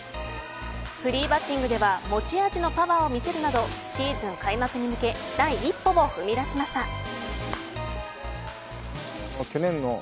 フリーバッティングでは持ち味のパワーを見せるなどシーズン開幕に向け第一歩を踏み出しました。